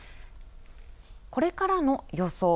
これからの予想。